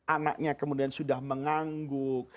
anaknya kemudian sudah mengangguk